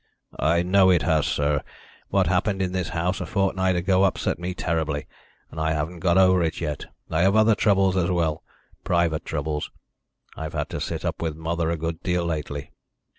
"I know it has, sir. What happened in this house a fortnight ago upset me terribly, and I haven't got over it yet. I have other troubles as well private troubles. I've had to sit up with mother a good deal lately."